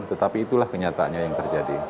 tetapi itulah kenyataannya yang terjadi